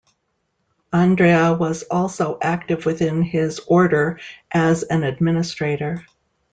Andrea was also active within his order as an administrator.